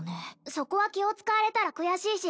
そこは気を使われたら悔しいし